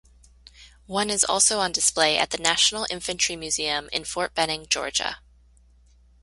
One is also on display at the National Infantry Museum in Fort Benning, Georgia.